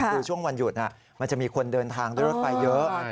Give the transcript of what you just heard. คือช่วงวันหยุดมันจะมีคนเดินทางด้วยรถไฟเยอะ